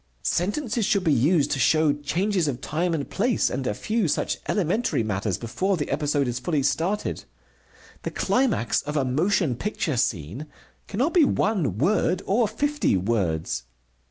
Sentences should be used to show changes of time and place and a few such elementary matters before the episode is fully started. The climax of a motion picture scene cannot be one word or fifty words.